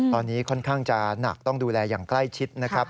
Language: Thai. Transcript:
ตอนนี้ค่อนข้างจะหนักต้องดูแลอย่างใกล้ชิดนะครับ